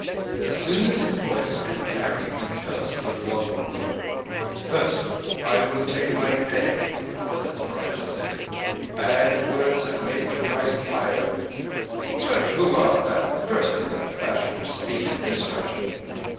As soon as his voice could carry he cursed him volubly. "First I will take my pay," the letter writer said. "Bad words have made the price higher. But who art thou, dressed in that fashion, to speak in this fashion?"